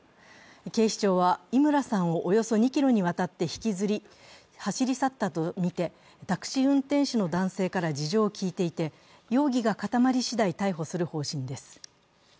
警視庁は伊村さんをおよそ２ｋｍにわたって引きずり走り去ったとみてタクシー運転手の男性から事情を聴いていて容疑が固まりしだい逮捕する方針です。